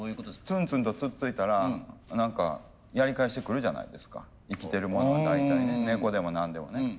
ツンツンとつっついたら何かやり返してくるじゃないですか生きてるものは大体ね猫でも何でもね。